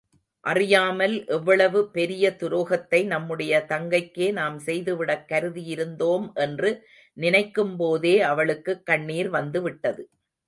அறியாமல் எவ்வளவு பெரிய துரோகத்தை நம்முடைய தங்கைக்கே நாம் செய்துவிடக் கருதியிருந்தோம் என்று நினைக்கும்போதே அவளுக்குக் கண்ணீர் வந்துவிட்டது.